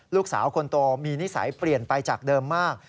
ลูกสาวคนโตมีนิสัยเปลี่ยนไปจากเดิมมาก